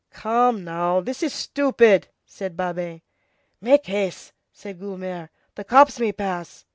"Come, now, this is stupid!" said Babet. "Make haste!" said Guelemer, "the cops may pass."